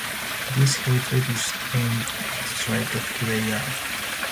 This hatred is aimed straight at who they are.